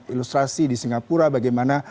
ilustrasi di singapura bagaimana